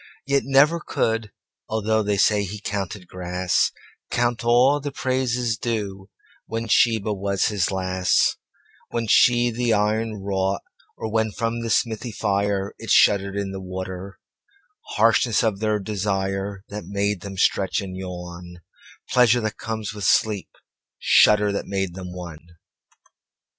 Yet never could, althoughThey say he counted grass, Count all the praises dueWhen Sheba was his lass, When she the iron wrought, orWhen from the smithy fireIt shuddered in the water:Harshness of their desireThat made them stretch and yawn, Pleasure that comes with sleep, Shudder that made them one.